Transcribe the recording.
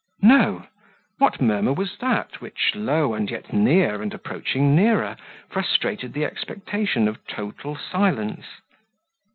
No. What murmur was that which, low, and yet near and approaching nearer, frustrated the expectation of total silence?